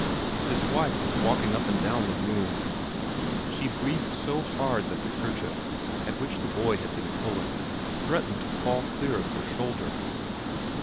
His wife was walking up and down the room; she breathed so hard that the kerchief, at which the boy had been pulling, threatened to fall clear off her shoulder.